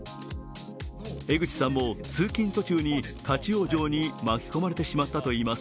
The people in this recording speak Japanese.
江口さんも通勤途中に立往生に巻き込まれてしまったといいます。